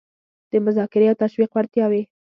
د مذاکرې او تشویق وړتیاوې